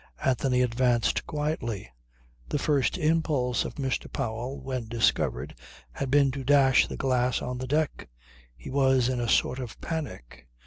Anthony advanced quietly. The first impulse of Mr. Powell, when discovered, had been to dash the glass on the deck. He was in a sort of panic.